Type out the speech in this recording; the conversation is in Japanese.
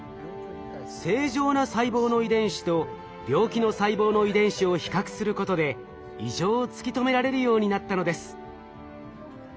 正常な細胞の遺伝子と病気の細胞の遺伝子を比較することで異常を突き止められるようになったのです。